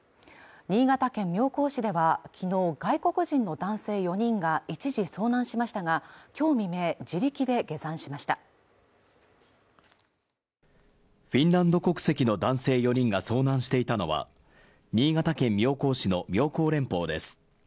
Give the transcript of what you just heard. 新潟県妙高市ではきのう外国人の男性４人が一時遭難しましたが今日未明自力で下山しましたフィンランド国籍の男性４人が遭難していたのは新潟県妙高市の妙高連峰です